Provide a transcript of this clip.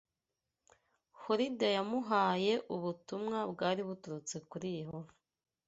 Hulida yamuhaye ubutumwa bwari buturutse kuri Yehova